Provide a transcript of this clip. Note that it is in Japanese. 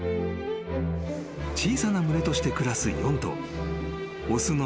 ［小さな群れとして暮らす４頭］